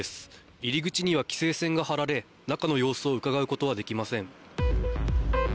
入り口には規制線が張られ中の様子をうかがうことはできません。